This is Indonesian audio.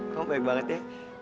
kamu baik banget ya